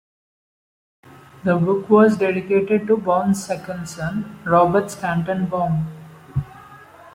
The book was dedicated to Baum's second son, Robert Stanton Baum.